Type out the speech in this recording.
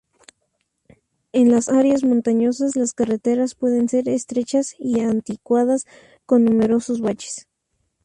En las áreas montañosas, las carreteras pueden ser estrechas y anticuadas con numerosos baches.